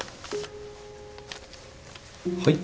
はい。